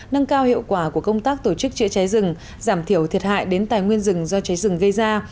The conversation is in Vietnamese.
nâng cao hiệu quả của công tác tổ chức chữa cháy rừng giảm thiểu thiệt hại đến tài nguyên rừng do cháy rừng gây ra